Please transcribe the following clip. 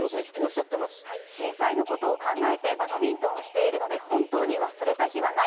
震災のことを考えてバドミントンをしているので、本当に忘れた日はない。